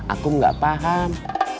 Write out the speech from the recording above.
aku gak paham